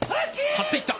張っていった。